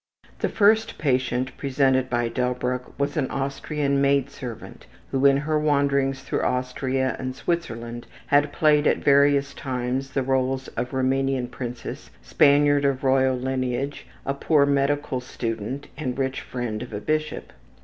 The first patient presented by Delbruck was an Austrian maid servant who in her wanderings through Austria and Switzerland had played at various times the roles of Roumanian princess, Spaniard of royal lineage, a poor medical student, and the rich friend of a bishop.